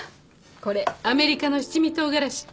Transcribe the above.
これアメリカの七味唐辛子。